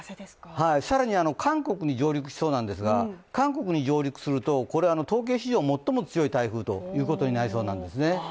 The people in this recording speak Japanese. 更に韓国に上陸しそうなんですが韓国に上陸すると、これは統計史上最も強い台風ということになりそうなんですね。